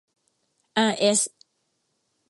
อาร์เอส